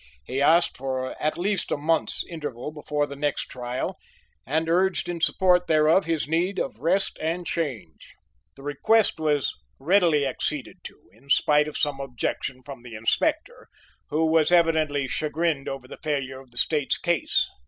He asked for at least a month's interval before the next trial, and urged in support thereof his need of rest and change. The request was readily acceded to, in spite of some objection from the Inspector, who was evidently chagrined over the failure of the State's case.